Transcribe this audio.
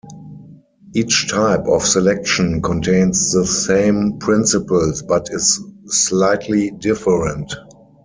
Each type of selection contains the same principles, but is slightly different.